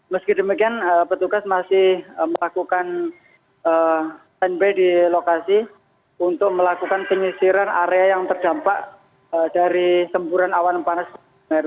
meski demikian petugas masih melakukan standby di lokasi untuk melakukan penyisiran area yang terdampak dari semburan awan panas